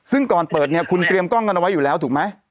ซึ่งก่อนเปิดเนี่ยคุณเตรียมกล้องกันเอาไว้อยู่แล้วถูกไหม